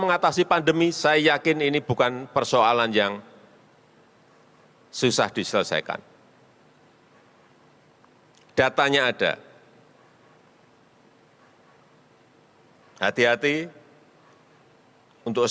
agar dinas agar bkkbn mengingatkan terus